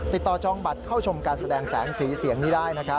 จองบัตรเข้าชมการแสดงแสงสีเสียงนี้ได้